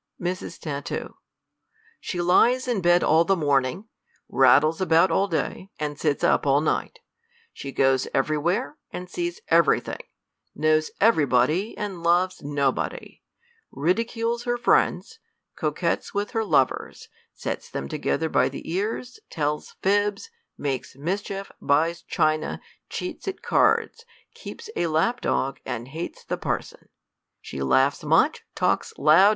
•^ Mrs; I THE COLUMBIAN ORATOR. 63 Mrs, Tat. She lies in bed all ihc morning, rattles about all day, and sits up all night; she goes every where, and sees every thing ; knows every body, and loves no body ; ridicules her friends, coquets with her lovers, sets them together by the qars, tells fibs, makes mischief, buys china, cheats at cards, keeps a lap dog, and hates the parson ; she laughs much, talks loud.